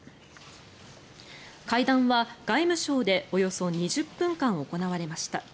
会談は外務省でおよそ２０分間行われました。